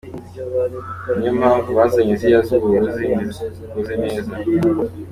Byinshi kuri iyi dosiye biri mu rwego rwa Polisi rushinzwe iperereza.